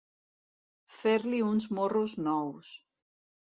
Fer-li uns morros nous.